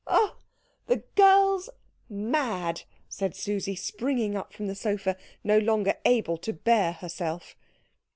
"Oh, the girl's mad!" cried Susie, springing up from the sofa, no longer able to bear herself.